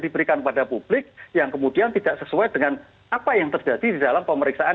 diberikan kepada publik yang kemudian tidak sesuai dengan apa yang terjadi di dalam pemeriksaan